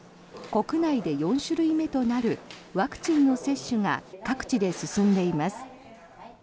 国内で４種類目となるワクチンの接種が各地で進んでいます。